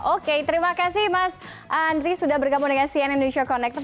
oke terima kasih mas andri sudah bergabung dengan cn indonesia connected